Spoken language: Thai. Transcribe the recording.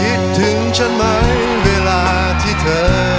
คิดถึงฉันไหมเวลาที่เธอ